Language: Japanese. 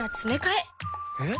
えっ？